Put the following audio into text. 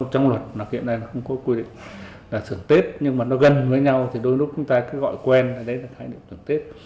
trong luật hiện nay không có quy định là thưởng tết nhưng mà nó gần với nhau thì đôi lúc chúng ta cứ gọi quen là đấy là thái niệm thưởng tết